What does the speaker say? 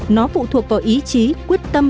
nó phụ thuộc vào ý chí quyết tâm